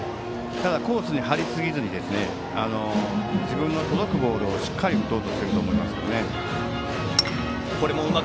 ただ、コースに張りすぎずに自分の狙ったボールをしっかり打とうとしていると思います。